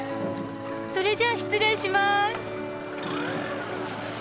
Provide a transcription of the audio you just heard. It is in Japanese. それじゃあ失礼します。